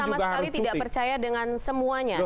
jadi sudah sama sekali tidak percaya dengan semuanya